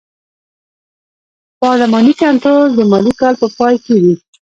پارلماني کنټرول د مالي کال په پای کې وي.